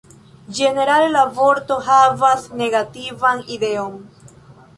Ĝenerale la vorto havas negativan ideon.